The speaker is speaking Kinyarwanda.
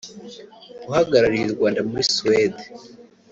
uhagarariye u Rwanda muri Suède